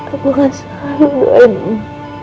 aku akan selalu melayan om